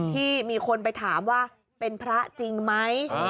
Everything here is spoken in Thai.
ที่มีคนไปถามว่าเป็นพระจริงไหม